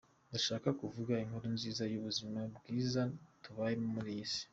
Ndashaka kuvuga inkuru nziza y’ubuzima bwiza tubayemo muri iyi minsi.